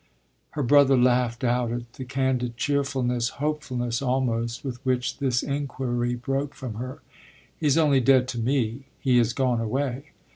Her brother laughed out at the candid cheerfulness, hopefulness almost, with which this inquiry broke from her. "He's only dead to me. He has gone away."